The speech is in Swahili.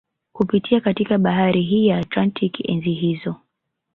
Kupitia katika bahari hii ya Atlantik enzi hizo